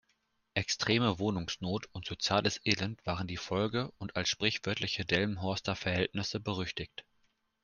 Extreme Wohnungsnot und soziales Elend waren die Folge und als sprichwörtliche „Delmenhorster Verhältnisse“ berüchtigt.